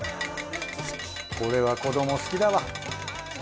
これは子ども好きだわ。